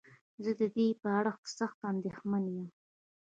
زه ددې په اړه سخت انديښمن يم.